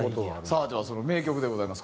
さあではその名曲でございます。